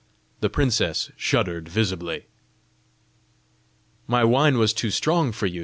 The princess shuddered visibly. "My wine was too strong for you!"